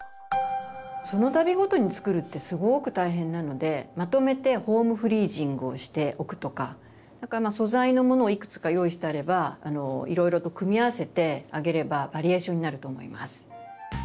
そのたびごとに作るってすごく大変なのでまとめてホームフリージングをしておくとか素材のものをいくつか用意してあればいろいろと組み合わせてあげればバリエーションになると思います。